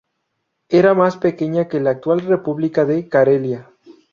Era más pequeña que la actual República de Carelia.